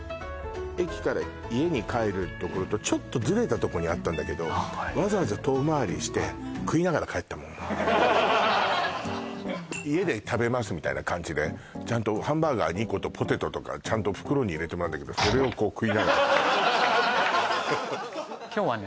駅から家に帰るところとちょっとズレたとこにあったんだけど「家で食べます」みたいな感じでちゃんとハンバーガー２個とポテトとかちゃんと袋に入れてもらうんだけどそれをこう食いながら今日はね